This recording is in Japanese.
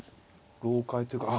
豪快っていうか。